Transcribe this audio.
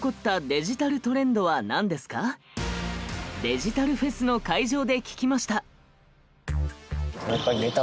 デジタルフェスの会場で聞きました。